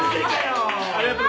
ありがとう。